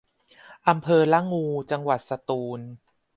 อำเภอละงู จังหวัดสตูล